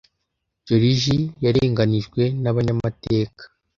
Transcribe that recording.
Joriji yarenganijwe nabanyamateka.